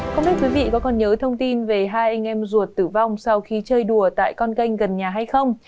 các bạn có nhớ thông tin về hai anh em ruột tử vong sau khi chơi đùa tại con canh gần nhà hay không